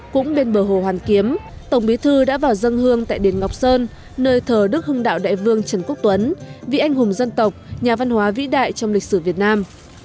cũng bên bờ hồ hoàn kiếm tổng bí thư đã vào dân hương tại đền ngọc sơn nơi thờ đức hưng đạo đại vương trần quốc tuấn vị anh hùng dân tộc nhà văn hóa vĩ đại trong lịch sử việt nam